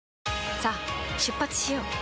さあ出発しよう。